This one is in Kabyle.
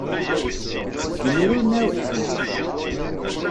Seg yimir ur nɛawed ad t-nẓer.